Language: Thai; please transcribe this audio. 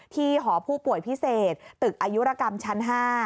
หอผู้ป่วยพิเศษตึกอายุรกรรมชั้น๕